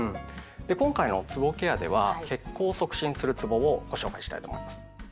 今回のつぼケアでは血行を促進するつぼをご紹介したいと思います。